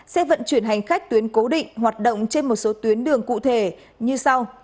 xe vận chuyển hành khách tuyến cố định hoạt động trên một số tuyến đường cụ thể như sau